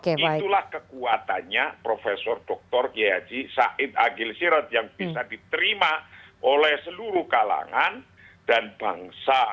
itulah kekuatannya prof dr kiai haji said agil sirot yang bisa diterima oleh seluruh kalangan dan bangsa